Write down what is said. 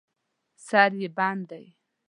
سر یې بند دی.